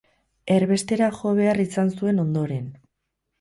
Erbestera jo behar izan zuen ondoren.